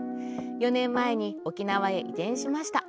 ４年前に沖縄へ移転しました。